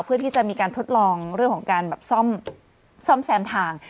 เพื่อที่จะมีการทดลองเรื่องของการแบบซ่อมแซมทาง